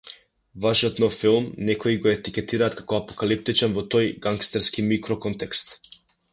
Вашиот нов филм некои го етикетираат како апокалиптичен во тој гангстерски микроконтекст.